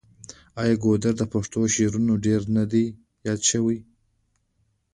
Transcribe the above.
آیا ګودر د پښتو شعرونو کې ډیر نه دی یاد شوی؟